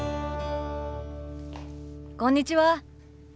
こんにちは。